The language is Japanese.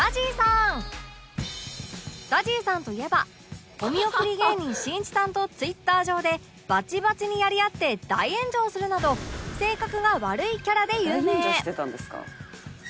ＺＡＺＹ さんといえばお見送り芸人しんいちさんと Ｔｗｉｔｔｅｒ 上でバチバチにやり合って大炎上するなど「大炎上してたんですか？」